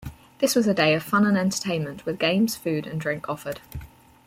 This was a day of fun and entertainment with games, food and drink offered.